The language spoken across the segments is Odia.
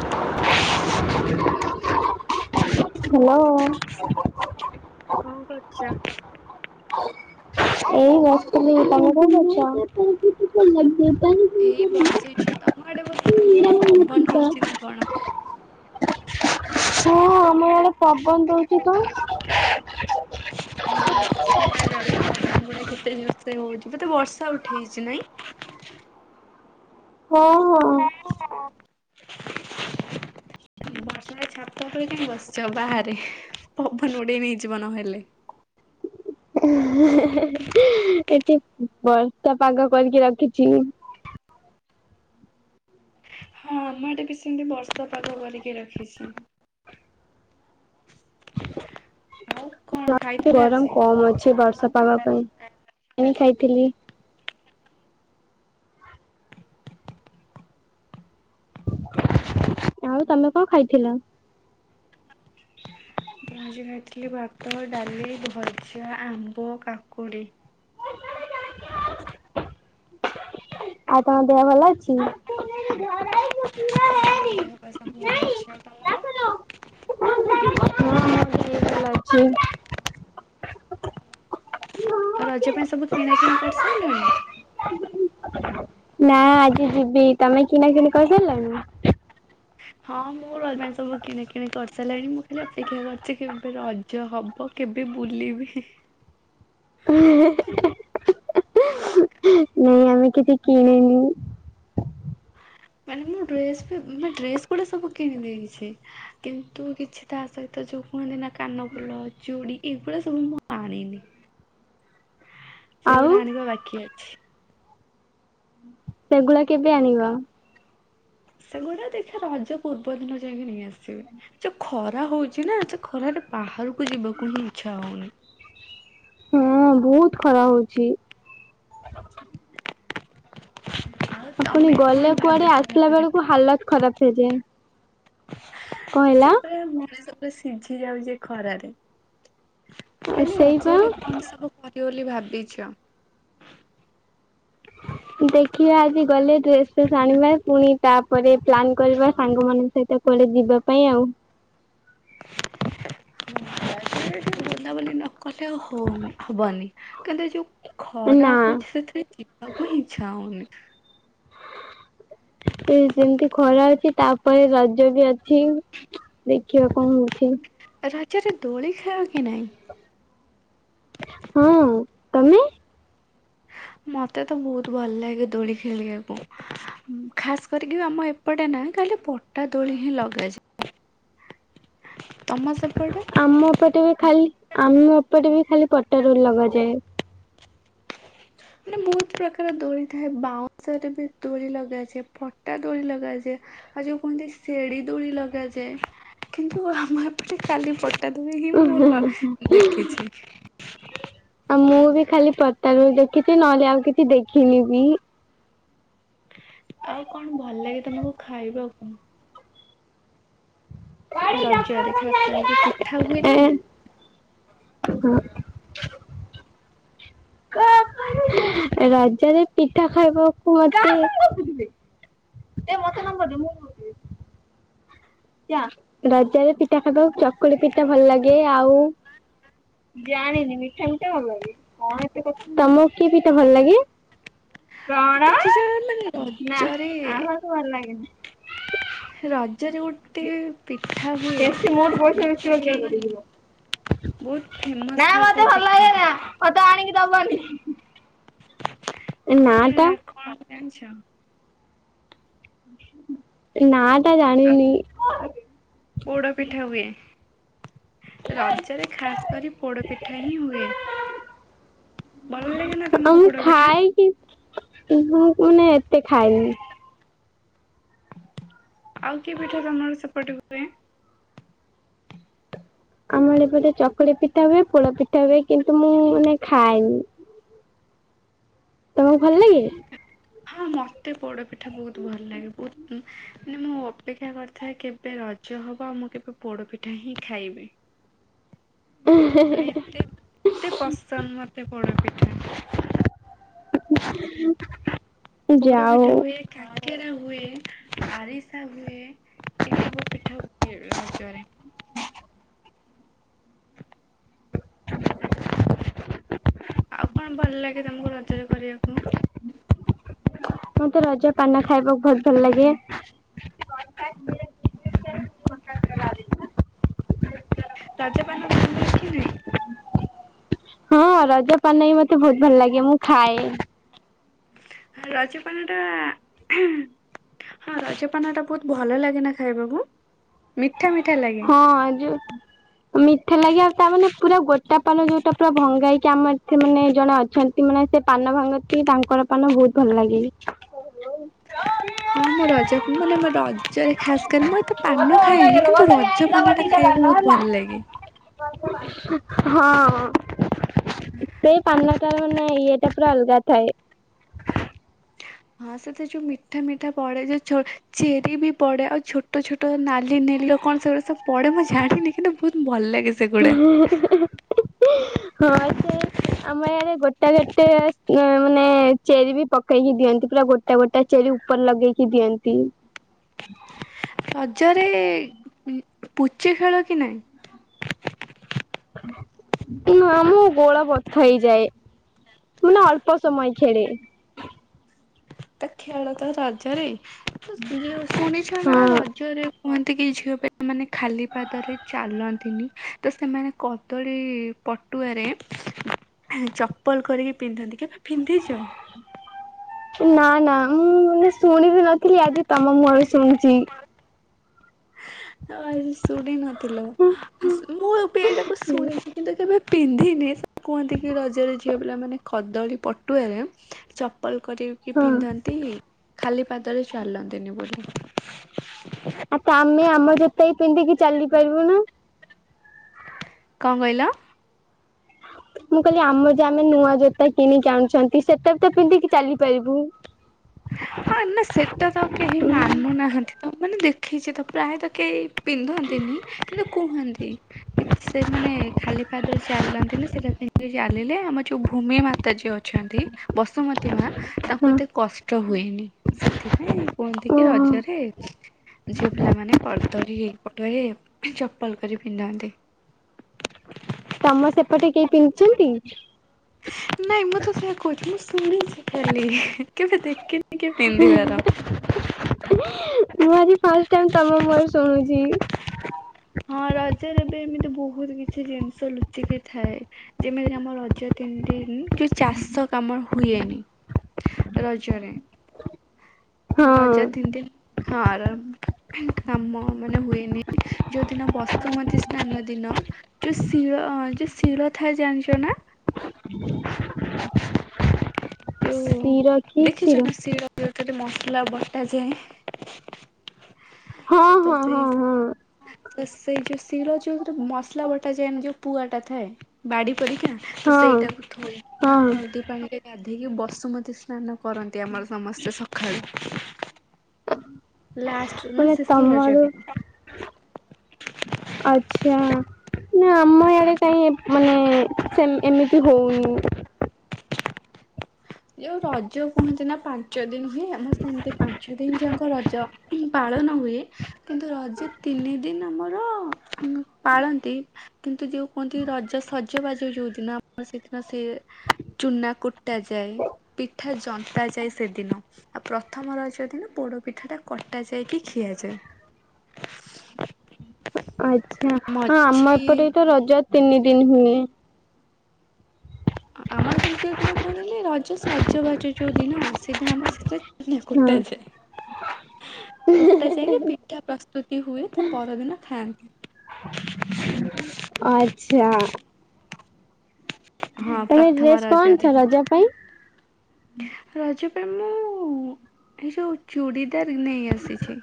ଆଚ୍ଛା ହାଲୋ। କଣ କରୁଛ? ଏଇ ବସିଥିଲି ତମେ କଣ କରୁଚ? ଏଇ ବସିଛି ତମ ଆଡେ ବଧେ ବହୁତ୍ ପବନ ହଉଚି ନା କଣ। ହଁ ଆମ ଆଡେ ପବନ ଦଉଛି ତ। ହଁ ଶୁଣା ଯାଉଛି ପବନ ଗୁଡା କେତେ ଜୋରସେ ହଉଚି ବଧେ ବର୍ଷା ଉଠେଇଚି ନାଇଁ? ହଁ ହଁ। [inaudible] ଏବେ କାଇଁ ବସିଛ ବାହାରେ ପବନ ଉଡେଇ ନେଇଯିବ ନହେଲେ। [unintelligible] ଏଠି ବର୍ଷା ପାଗ କରିକି ରଖିଛି। ହଁ ଆମ ଆଡେ ବି ସେମିତି ବର୍ଷା ପାଗ କରିକି ରଖିଚି। [inaudible] ଆଉ କଣ ଆଜି ଟିକେ ଖାଇଥିଲେ ଗରମ ଆଜି? କମ ଅଛି ବର୍ଷା ପାଗ ପାଇଁ ଆଣି ଖାଇଥିଲି। ଆଉ ତମେ କଣ ଖାଇଥିଲ? ମୁଁ ଆଜି ଖାଇଥିଲି ଭାତ ଡାଲି ଭଜା ଆମ୍ବ କାକୁଡି। ଆଉ ତମ ଦେହ ଭଲ ଅଛି? ହଁ ଦେହ ପା ସବୁ ଭଲ ଅଛି ଆଉ ତମର? ହଁ ମୋର ବି ଭଲ ଅଛି। ଆଉ ରଜ ପାଇଁ ସବୁ କିଣା କିଣି କରିସାଇଲଣି। ନାଁ ଆଜି ଯିବି ତମେ କିଣା କିଣି କରିସାରିଲଣି? ହଁ ମୁଁ ରଜ ପାଇଁ ସବୁ କିଣା କିଣି କରିସାରିଲାଣି ମୁଁ ଖାଲି ଅପେକ୍ଷା କରିଚି କେବେ ରଜ ହବ। ଆଉ କେବେ ବୁଲିବି। ନାଇଁ ଆମେ କିଛି କିଣିନୁ। ମାନେ ମୁଁ ଡ୍ରେସ ଡ୍ରେସ ଗୁଡା ସବୁ କିଣି ଦେଇଛି। କିନ୍ତୁ କିଛିଟା ତା ସହିତ ଯୋଉ କୁହନ୍ତି ନାଁ କାନ ଫୁଲ ଚୁଡି ଏଗୁଡା ସବୁ ମୁଁ ଆଣିନି ଆଉ ସେଗୁଡା ଆଣିବା ବାକି ଅଛି। ସେଗୁଡା କେବେ ଆଣିବ? ସେଗୁଡା ଦେଖିବା ରଜ ପୂର୍ବ ଦିନ ଯାଇକି ନେଇ ଆସିବି। ଯୋଉ ଖରା ହଉଛି ନା ସେ ଖରାରେ ବାହାରକୁ ଯିବାକୁ ହିଁ ଇଚ୍ଛା ହଉନି। ହଁ ବହୁତ ଖରା ହଉଛି। ଆଉ ପୁଣି ତମେ କଣ ଗଲେ କୁଆଡେ ଭାବିଛ ଆସିଲା ରଜରେ କରିବ? ବେଳକୁ ହାଲତ ଖରାପ ହେଇଯାଏ। କଣ ହେଲା? ସେପଟେ ମଣିଷ ପୁରା ସିଝି ଯାଉଛି ଖରାରେ। ମୁଁ କହଲି ସେଇପା ରଜରେ କଣ ସବୁ କରିବ ବୋଲି ଭାବିଛ? ଦେଖିବା ଆଜି ଗଲେ ଡ୍ରେସ ଫ୍ରେସ୍ ଆଣିବା ପୁଣି ତାପରେ ପ୍ଲାନ୍ କରିବା ସାଙ୍ଗ ମାନଙ୍କ ସହିତ କୁଆଡେ ଯିବା ପାଇଁ ଆଉ। ଯାତ୍ରାରେ ଟିକେ ବୁଲାବୁଲି ନ କଲେ ଆଉ ହଉନି ହବନି କିନ୍ତୁ ଏ ଯୋଉ ଖରା ନା ହଉଛି ସେଥିରେ ଯିବାକୁ ହିଁ ଇଚ୍ଛା ହଉନି। ଏ ଯେମିତି ଖରା ଅଛି ତାପରେ ରଜ ବି ଅଛି ଦେଖିବା କଣ ହଉଛି। ରାଜରେ ଦୋଳି ଖେଳ କି ନାଇଁ? ହଁ, ତମେ? ମତେ ତ ବହୁତ ଭଲ ଲାଗେ ଦୋଳି ଖେଳିବାକୁ। ଉଁ ଖାସ କରିକି ବି ଆମ ଏପଟେ ନା ଖାଲି ପଟା ଦୋଳି ହିଁ ଲଗାଯାଏ। ତମ ସେପଟେ? ଆମ ଏପଟେ ବି ଖାଲି, ଆମ ଏପଟେ ବି ଖାଲି ପଟା ଦୋଳି ଲଗାଯାଏ। ମାନେ ବହୁତ ପ୍ରକାର ଦୋଳି ଥାଏ ବାଉଁଶରେ ବି ଦୋଳି ଲଗାଯାଏ ପଟା ଦୋଳି ଲଗାଯାଏ। ଆଉ ଯୋଉ କୁହନ୍ତି ସେଡି ଦୋଳି ଲଗାଯାଏ କିନ୍ତୁ ଆମ ଏପଟେ ଖାଲି ପଟ୍ ପଟା ଦୋଳି ହିଁ ମୁଁ ଲ ଦେଖିଛି। ଆଉ ମୁଁ ବି ଖାଲି ପଟା ଦୋଳି ଦେଖିଛି ନହେଲେ ଆଉ କିଛି ଦେଖିନି ବି। ଆଉ କଣ ଭଲ ଲାଗେ ତମକୁ ଖାଇବାକୁ? ରଜରେ ଖାସ୍ କରି ଯୋଉ ପିଠା ହୁଏ ଏ ନା? ହଁ। ରଜରେ ପିଠା ଖାଇବାକୁ ମତେ ଏ ମୋତେ ନମ୍ବର ଦେ ମୁଁ ରଜରେ ପିଠା ଖାଇବାକୁ ଚକୁଳି ପିଠା ଭଲ ଲାଗେ ଆଉ ତମକୁ କି ପିଠା ଭଲ ଲାଗେ? କଣ-ଅ? ଦେଖିଛ ମାନେ ନା ରଜରେ ଆମକୁ ଭଲ ଲାଗେନି। ରଜରେ ଗୋଟେ ପିଠା ହୁଏ ଯୋଉଟାକି ବହୁତ ଫେମସ୍ ଥାଏ ସେ ପିଠାଟା। ମତେ ଆଣିକି ଦବନି। ସେଇଟା ଟା କଣ ଜାଣିଛ? ନାଆଁ ଟା ଜାଣିନି। ପୋଡପିଠା ହୁଏ, ରଜରେ ଖାସ୍ କରି ପୋଡ ପିଠା ହିଁ ହୁଏ। ଭଲ ଲାଗେ ନା ହଁ ତମକୁ ମୁଁ ପୋଡ ପିଠା? ଖାଇ-ଇଛି, କିିନ୍ତୁ ମୁଁ ମାନେ ଏତେ ଖାଇନି। ଆଉ କି ପିଠା ତମର ସେପଟେ ହୁ ଆମର ଏପଟେ ଚକୁଳି ପିଠା ହୁଏ ପୋଡ ପିଠା ହୁଏ କିନ୍ତୁ ମୁଁ-ଉ-ଉ ମାନେ ଖାଏନି। ତମକୁ ଭଲ ଲାଗେ? ହଁ ମତେ ପୋଡପିଠା ବହୁତ ଭଲ ଲାଗେ ବହୁତ ମାନେ ମୁଁ ଅପେକ୍ଷା କରିଥାଏ କେବ୍ କେବେ ରଜ ହବ ଆଉ ମୁଁ କେବେ ପୋଡପିଠା ହିଁ ଖାଇବି। ମାନେ ଏତେ ଏତେ ପସନ୍ଦ ମତେ ପୋଡ ପିଠା। ପୋଡ ଯାଉ ପିଠା ହୁଏ, କାଙ୍କେରା ହୁଏ, ଆରିସା ହୁଏ। ଏ ସବୁ ପିଠା ରଜରେ ହ। ଆଉ କଣ ଭଲ ଲାଗେ ତମକୁ ରଜରେ କରିବାକୁ। ମତେ ରଜ ପାନ ଖାଇବାକୁ ବହୁତ ଭଲ ଲାଗେ। ରଜାପାନ ଭଲ କି ନାଇଁ? ହଁ ରଜ ପନେଇ ମତେ ବହୁତ ଭଲ ଲାଗେ ମୁଁ ଖାଏ। ରଜପନ ଟା ହଁ ରଜପନା ଟା ବହୁତ ଭଲ ଲାଗେନା ଖାଇବାକୁ? ମିଠା ମିଠା। ଲାଗେ। ହଁ ଆ ଯୋଉ ମିଠା ଲାଗେ ଆଉ ତା ମାନେ ପୁରା ଗୋଟା ପାନ ଯୋଉଟା ପୁରା ଭଙ୍ଗାଇକି ଆମର ଏ ମାନେ ଜଣେ ଅଛନ୍ତି। ମାନେ ସେ ପାନ ଭାଙ୍ଗନ୍ତି ତାଙ୍କର ପାନ ବହୁତ ଭଲ ଲାଗେ। ହଁ, ମୋ ରଜ ମାନେ ମୋ ରଜରେ ଖାସ କରି ମୁଁ ଏତେ ପାନ ଖାଏନି କିନ୍ତୁ ରଜପାନ ଟା ଖାଇବାକୁ ବହୁତ ଭଲ ଲାଗେ। ହଁ। ସେଇ ପାନ ତ ମାନେ ଇଏ ଟା ପୁରା ଅଲଗା ଥାଏ। ହଁ ସେତ ଯୋଉ ମିଠା ମିଠା ପଡେ ଯୋଉ ଚେରି ବି ପଡେ ଆଉ ଛୋଟ ଛୋଟ। ନାଲି ନେଲି କଣ ସେଗୁା ସବ ପଢେଁ ଜାଣିନି କିନ୍ତ ବହୁତ ଭଲ ଲାଗେ। ସେଗୁଡା। ହଁ ସେ ଆମ ୟାରେ ଗୋଟା ଗୋଟେ ମାନେ ଚେରି ବି ପକେଇକି ଦିଅନ୍ତି ପୁର ଗୋଟେ ତା ଗୋଟେ ଚେରି ଉପରେ ଲଗେଇକି ଦିଅନ୍ତି। ରଜରେ ପୁଚି ଖେଳ କି ନାଇଁ। ନୁ ଆମ ଗୋଳା ବଥା ହେଇଯାଏ। ମୁଁ ନା ଅଳ୍ପ ସମୟ ଖେଳେ। ତା ଖେଆଳ ତ ରଜରେରେ ଯେ ଶୁଣିଛ ନା ହଁ। ରଜରେ କୁହନ୍ତି କି ଝିଅ ପିଲ ମାନେ ଖାଲି ପାଦରେ ଚାଲନ୍ତିନି। ତ ସେମାନେ କଦଳୀ ପଟୁଆରେ ଚପଲ କରିକି ପିନ୍ଧନ୍ତି କେବେ ପିନ୍ଧିଛ? ନା ନା ମୁଁ ମାନେ ଶୁଣିବି ନଥିଲି ଆଜି ତମ ମୁହଁରୁ ଶୁଣିୁଛି। ଆ ଶୁଣ ନଥିଲ ମୁଁ ବି ଏଇଟାକୁ ଶୁଣିଛିି କିନ୍ତୁ କେବେ ପିନ୍ଧିନି ସେ କୁହନ୍ତି କି ରଜରେ ଝିଅ ପିଲାମାନେେ କଦଳୀ ପଟୁଆରେ ଚପଲ କରିକି ହଁ ପିନ୍ଧନ୍ତି ଖାଲି ପାଦରେ ଚାଲନ୍ତିନି ବୋଲି। ଆ ତ ଆମେ ଆମ ଜୋତାଇ ପିନ୍ଧିକି ଚାଲି ପାରିବୁ ନା। କଣ କହିଲ? ମୁଁ କହିଲି ଆମର ଯାହା ଆମେ ନୂଆ ଜୋତା କିଣିକି ଆଣୁଛନ୍ତି ସେଟା ବି ତ ପିନ୍ଧିକି ଚାଲିପାରିବୁ। ହଁ ନା ସେଟା ତ କେହି ମାନୁନାହାନ୍ତି ତ ମାନେ ଦେଖେଇଛି ତ ପ୍ରାୟତ କେହି ପିନ୍ଧନ୍ତିନି କିନ୍ତୁ କୁହନ୍ତି। କି ସେ ମାନେ ଖାଲି ପାଦରୁ ଚାଲନ୍ତି ନା ସେଟା ପାଇଁ ଚାଲିଲେ ଆମ ଯୋଉ ଭୂମି ମାତା ଯିଏ ଅଛନ୍ତି, ବସୁମତୀ ମା ତାଙ୍କୁ ହଁ ଏତେ କଷ୍ଟ ହୁଏନି ସେଥିପାଇଁ କୁହନ୍ତି କି ଓହୋ ରଜରେ ଝିଅ ପିଲାମାନୋନ କରଦଳୀପଟରେ ଚପଲ କରି ପିନ୍ଧନ୍ତି। [unintelligible] ତମ ସେପଟେ କେହି ପିନ୍ଧୁଛନ୍ତି? ନାଇଁ ମୁଁ ତ ସେଇୟା କହୁଛି ମୁଁ ଶୁଣି ଶିଖଲି କେବେ ଦେଖିନି। କିଏ ପିନ୍ଧିବାର। ମୁଁ ଆଜି ଫାଷ୍ଟ ଟାଇମ୍ ତମ ମୁହଁରୁ ଶୁଣୁଛି। ହଁ ରଜରେ ବି ଏମିତି ବହୁତ କିଛି ଜିନିଷ ଲୁଚିକି ଥାଏ। ଯେମିତି ଆମ ରଜ ତିନିଦିନି ଯୋଉ ଚାଷ କାମ ହୁଏନି। ରଜରେ। ହଁ ରଜ ତିନିତି ହଁ କାମ ମାନେ ହୁଏନି। ଯୋଉ ଦିନ ବସୁମତୀ ସ୍ନାନ ଦିନ ଯୋଉ ଶିଳ ଯୋଉ ଶିଳ ଥାଏ ଜାଣିଛ ନା? [inaudible] ଯୋଉ ଶିର କି ଦେଖିଛ ଶିର ନା ଶିିଳ ଯୋଉଥିରେ ମସଲା ବଟାଯାଏ। ହଁ ତ ହଁ ହଁ ସେଇ ହଁ। ସେଇ ଯୋଉ ଶିଳ ଯୋଉ ମସଲା ବଟା ଯାଏନି ଯୋଉ ପୁଆ ଟା ଥାଏ ବାଡି ପରିକା ତ ହଁ ସେଇଟାକୁ ଥଦି ହଁ ହଳଦୀ ପାଣିରେ ଗାଧେଇକି ବସୁମତୀ ସ୍ନାନ କରନ୍ତି ଆମର ସମସ୍ତେ ସକାଳୁ। [unintelligible] ଲାଷ୍ଟ ନା ମାନେ ଶେଷ ତମ ରଜରେ? ଆଛା। ନା ଆମ ଆଡ଼େ କାହିଁ ମାନେ ସେ ଏମିତି ହଉନି। ଯୋଉ ରଜ କୁହନ୍ତି ନା ପାଞ୍ଚ ଦିନ ହୁଏ ଆମ ସେମିତି ପାଞ୍ଚ ପାଞ୍ଚ ଦିନି ଯାଙ୍କ ରଜ ପାଳନ ହୁଏ କିନ୍ତୁ ରଜ ତିନି ଦିନ ଆମର ପାଳନ୍ତି। କିନ୍ତୁ ଯୋଉ କୁହନ୍ତି ରଜ ସଜ ବାଜ ଯୋଉଦିନ ନା ଆମର ସେଦିନ ସେ ଚୁନା କୁ ଟା ଯାଏ ପିଠା ଯନ୍ତା ଯାଏ ସେଦିନ। ଆଉ ପ୍ରଥମ ରଜ ଦିନ ପୋଡ ପିଠା ଟା କଟା ଯାଇକି ଖିଆଯାଏ। [inaudible] ଆଚ୍ଛା, ହଁ ଆମ ମଝି ଏପଟେ ତ ରଜ ତିନି ଦିନ ହୁଏ। ଆମର କିନ୍ତୁ ଯେଉଁଦିନ କୁହନ୍ତିନି ରଜ ସଜବାଜ ଯେଉଁ ଦିନ ସେଦିନ ଆମର ସେଥିରେ ହଁ କୁଟା ଯାଏ। କୁଟା ଯାଇକି ପିଠା ପ୍ରସ୍ତୁତି ହୁଏ ତା ପରଦିନ ଖାଆନ୍ତି। ଆଚ୍ଛା। ହଁ ତମେ ପ୍ରଥମ ଡ୍ରେସ କଣ ଆଣିଛ ରଜଦିନ। ରଜ ପାଇଁ? ରଜପାଇଁ ମୁଁ ଏ ଯୋଉ ଚୁଡ଼ିଦାର ନେଇ ଆସିଛି।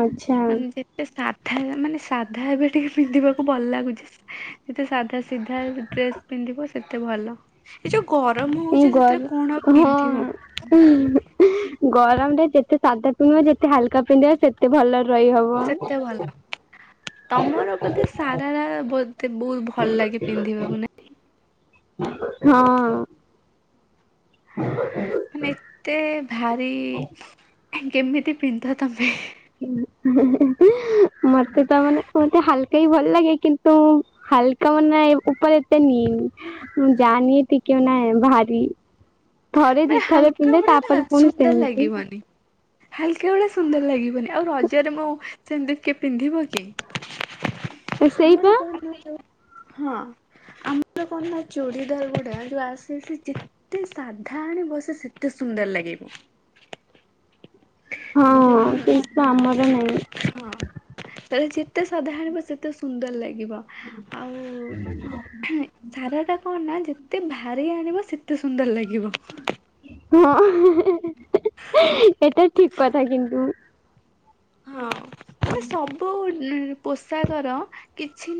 ଆଚ୍ଛା। ମାନେ ଯେତେ ସାଧା ମାନେ ସାଧା ଏବେ ଟିକେ ପିନ୍ଧିବାକୁ ଭଲ ଲାଗୁଛି ଯେତେ ସାଧା ସିଧା ଡ୍ରେସ୍ ପିନ୍ଧିବ ସେତେ ଭଲ। ଏ ଯୋଉ ଗରମ ଏଇ ହଉଛି ଗର ସେଥିରେ କଣ ଆଉ ହଁ ପିନ୍ଧିବ। ଗରମରେ ଯେତେ ସାଧା ପିନ୍ଧିବ ଯେତେ ହାଲକା ପିନ୍ଧିବ ସେତେ ଭଲରେ ରହିହବ। ସେତେ ଭଲ, ତମର ବୋଧେ ସାରାରା ବୋ ଏତେ ବହୁତ ଭଲ ଲାଗେ ପିନ୍ଧିବାକୁ ନାଇ। ହଁ। [unintelligible] ମାନେ ଏତେ ଭାରି, କେମିତି ପିନ୍ଧ ତମେ? ମତେ ତା ମାନେ ମତେ ହାଲକା ହିଁ ଭଲ ଲାଗେ କିନ୍ତୁ ହାଲକା ମନ ଉପରେ ଏତେ ନିଏନି। ମୁଁ ଜାଣିନି ଟିକେ ନା ଭାରି। ଥରେ ମାନେ ଦିଥରେ ହାଲକା ପିନ୍ଧେ ଗୁଡା ନା ତାପରେ ପୁଣି ସୁନ୍ଦର ସେମିତି ଲାଗିବନି। ହାଲକା ଭଳିଆ ସୁନ୍ଦର ଲାଗିବନି ଆଉ ରଜରେ ମୁଁ ସେମିତି ଟିକେ ପିନ୍ଧିବ କି? ଆମର ସେଇପା କଣ ଅଛି। ହଁ ଆମର କଣ ନା ଚୋଡ଼ି ଦରଗଡା ଯୋଉ ଆସେ ସେ ଯେତେ ସା କଥା ଆଣି ବସେ ସେତେ ସୁନ୍ଦର ଲାଗିବ। ଯେ ହଁ କିନ୍ତୁ ଆମର ନାହିଁ। ହଁ ତାହେଲେ ଯେତେ ସାଧା ଆଣବ ସେତେ ସୁନ୍ଦର ଲାଗିବ। ଆଉ ସାରଟା କଣ ନା ଯେତେ ଭାରି ଆଣିବ ସେତେ ସୁନ୍ଦର ଲାଗିବ। ହଁ ଏଟା ଠିକ କଥା କିନ୍ତୁ। ହଁ। ମାନେ ସବୁ ପୋଷାକର କିଛି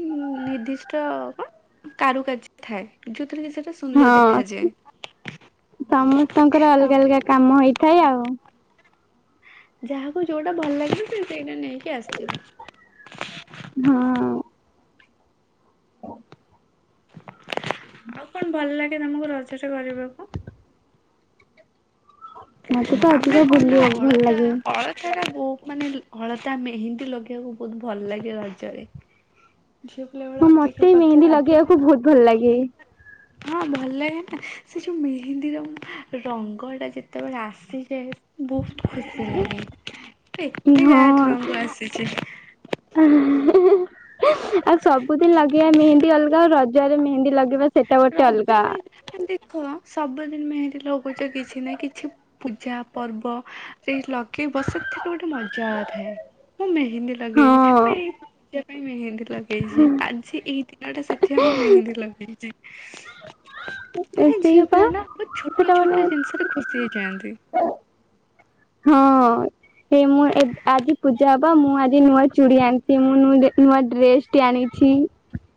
ନିର୍ଦ୍ଦିଷ୍ଟ କଣ। କୁ କାର୍ଯ୍ୟ ଥାଏ ଯେଉଁତରେ କିିନ ସେଟା ସୁନ୍ଦର ହଁ ଦେଖାଯାଏ। ସମସ୍ତଙ୍କର ଅଲଗା ଅଲଗା କାମ ହେଇଥାଏ ଆଉ। ଯାହାକୁ ଯୋଉଟା ଭଲ ଲାଗିବ ସେ ସେଇଟା ନେଇକି ଆସିିବ। ହଁ ଆଉ କଣ ଭଲ ଲାଗେ ତମକୁ ରଜଟା କରିବାକୁ। ମତେ ତ ଅଧିକ ଭୁଲିବାକୁ ଭଲ ଲାଗେ। ସେଇଟା ବହୁତ ମାନେ ହଳତା ମେହେନ୍ଦୀ ଲଗେଇବାକୁ ବହୁତ ଭଲ ଲାଗେ ରଜରେ। ଯି ହଁ ମତେ ମେହେନ୍ଦୀ ଲଗେଇବାକୁ ବହୁତ ଭଲ ଲାଗେ। ହଁ ଭଲ ଲାଗେ ନା ସେ ଯୋଉ ମେହେନ୍ଦୀର ରଙ୍ଗ ଟା ଯେତେବେଳେ ଆସିଯାଏ। ବହୁତ ଖୁସି ଲାଗେ ଏତେ ହଁ ଗାଟ ରଙ୍ଗ ଆସିଛି। ଆଉ ସବୁଦିନ ଲଗେଇବା ମେହେନ୍ଦୀ ଅଲଗା ଆଉ ରଜ। ଜେ ମେନ୍ଦ ଲଗେ ବା ରାଜମ ଦେଖ ସବୁଦିନ ମେେତି ଲଗୁଛ କିଛି ନା କିଛି ପୂଜା ପର୍ବ। ସେଇ ଲଗେଇବ ସେତେ ତ ଗୋଟେ ମଜା ଥାଏ ମୁଁ ମେହେନ୍ଦୀ ଲଗେଇଛି ହଁ ଏଇ ପାଇଁ ମେହେନ୍ଦୀ ଲଗେଇଛି ଆଜି ଏଇ ଦିନଟା ସେଥି ମୁଁ ମେହେନ୍ଦୀ ଲଗେଇଛି। ମାନେ ସେଇ ଝିଅ ପା ପିଲା ନା ବହୁତ ଛୋଟ ସେଟା ଛୋଟ ମାନେ ଜିନିଷରେ ଖୁସି ହେଇଯାଆନ୍ତି। ହଁ ହେ ମୁଁ ଆଜି ପୂଜା ହବ ମୁଁ ଆଜି ନୂଆ ଚୁଡ଼ି ଆଣିଛି ମୁଁ ନୂଆ ଡ୍ରେସ ଟି ଆଣିଛି।